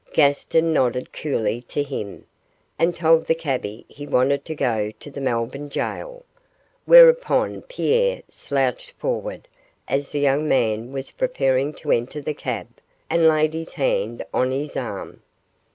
Gaston nodded coolly to him, and told the cabby he wanted to go to the Melbourne gaol, whereupon Pierre slouched forward as the young man was preparing to enter the cab, and laid his hand on his arm.